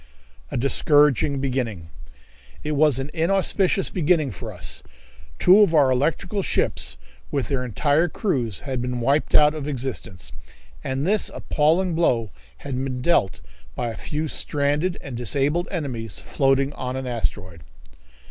A Discouraging Beginning. It was an inauspicious beginning for us. Two of our electrical ships, with their entire crews, had been wiped out of existence, and this appalling blow had been dealt by a few stranded and disabled enemies floating on an asteroid.